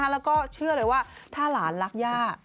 แล้วก็ถ้าหลานรักยา